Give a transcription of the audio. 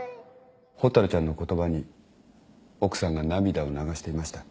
ほたるちゃんの言葉に奥さんが涙を流していました。